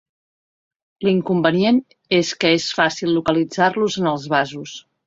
L'inconvenient és que és fàcil localitzar-los en els vasos.